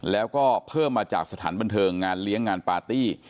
แล้วก็เพิ่มมาจากสถานบันเทิงงานเลี้ยงงานปาร์ตี้